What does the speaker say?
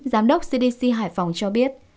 giám đốc cdc hải phòng cho biết